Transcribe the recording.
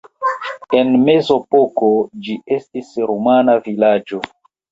En mezepoko ĝi estis rumana vilaĝo.